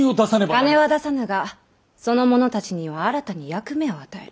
金は出さぬがそのものたちには新たに役目を与える。